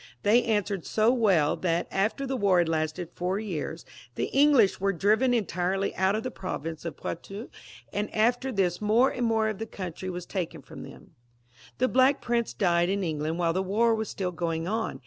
They answered so well that after the war had lasted for four years, the English were driven entirely out of the province of Poitou, and after this more and more of the country was taken firom them. The Black Prince died in England while the war was still going on.